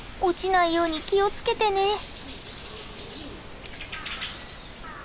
落ちないように気を付けてね。